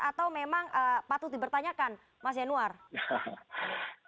atau memang patut dipertanyakan mas yanuar